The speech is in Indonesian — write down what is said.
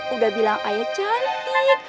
udah bilang ayah cantik